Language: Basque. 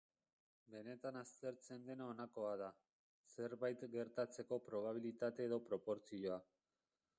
Benetan aztertzen dena honakoa da: zerbait gertatzeko probabilitate edo proportzioa.